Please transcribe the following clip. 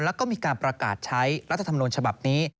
แล้วก็มีการประกาศใช้รัฐธรรมนูญฉบับนี้